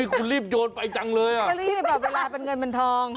คุณรีบโยนไปจังเลยรีบแบบเวลาเป็นเงินเป็นทอง